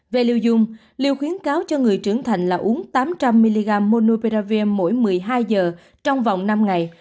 về lưu dung liều khuyến cáo cho người trưởng thành là uống tám trăm linh mg monuperavirm mỗi một mươi hai giờ trong vòng năm ngày